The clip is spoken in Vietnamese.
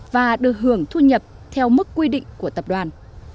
và được hưởng thu nhập theo mức quy định của tập đoàn